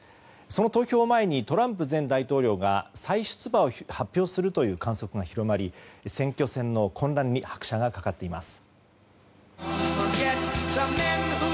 その投票を前にトランプ前大統領が再出馬を発表するという観測が広まり選挙戦の混乱に拍車がかかっています。